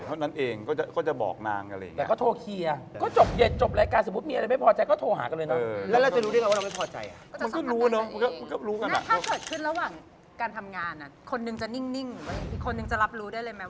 คนนึงจะนิ่งหรืออีกคนนึงจะรับรู้ได้เลยไหม